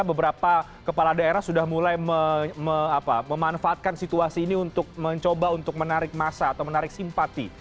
beberapa kepala daerah sudah mulai memanfaatkan situasi ini untuk mencoba untuk menarik masa atau menarik simpati